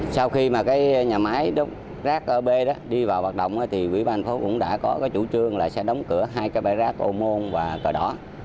sau khi nhà máy đốt rác ở b đi vào hoạt động quỹ ban phố cũng đã có chủ trương là sẽ đóng cửa hai bãi rác ô môn và cờ đỏ